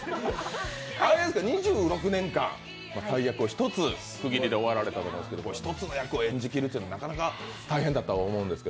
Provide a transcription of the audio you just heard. ２６年間、大役を一つ区切られたと思うんですけど、１つの役を演じきるというのは大変だったと思うんですが。